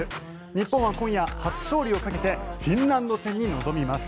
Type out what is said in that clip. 日本は今夜、初勝利をかけてフィンランド戦に臨みます。